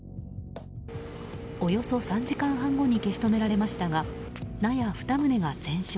およそ３時間半後に消し止められましたが納屋２棟が全焼。